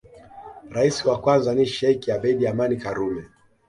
Rais wa kwanza ni Sheikh Abeid Aman Karume